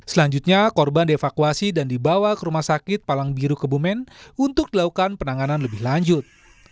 selanjutnya korban dievakuasi dan dibawa ke rumah sakit palang biru kebumen untuk dilakukan penanganan lebih lanjut